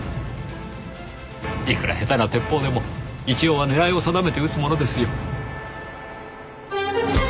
いくら下手な鉄砲でも一応は狙いを定めて撃つものですよ。